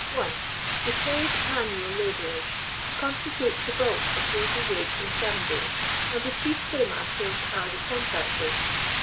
1. Th€ Paid Manual Labourers constitute the bulk of those engaged in scavenging, and the chief pay masters are the contractors.